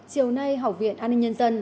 chiều nay học viện an ninh nhân dân